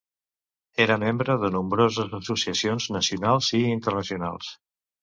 Era membre de nombroses associacions nacionals i internacionals.